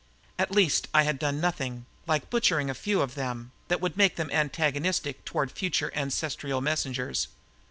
At least I had done nothing, like butchering a few of them, that would make them antagonistic toward future ancestral messengers.